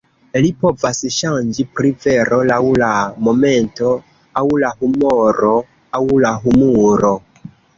Li povas ŝanĝi pri vero laŭ la momento aŭ la humoro, aŭ la humuro!